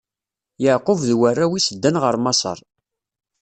Yeɛqub d warraw-is ddan ɣer Maseṛ.